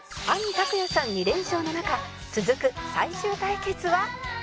兄たくやさん２連勝の中続く最終対決は？